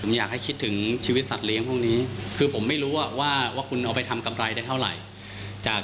ผมอยากให้คิดถึงชีวิตสัตว์เลี้ยงพวกนี้คือผมไม่รู้ว่าว่าคุณเอาไปทำกำไรได้เท่าไหร่จาก